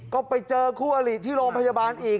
ก็ไปเจอคู่อลิที่โรงพยาบาลอีก